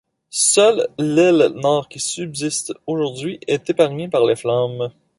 Seule l'aile nord qui subsiste aujourd'hui est épargnée par les flammes.